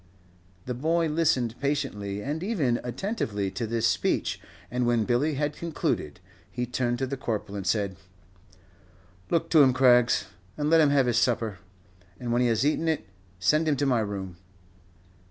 The boy listened patiently and even attentively to this speech, and when Billy had concluded, he turned to the Corporal and said, "Look to him, Craggs, and let him have his supper, and when he has eaten it send him to my room."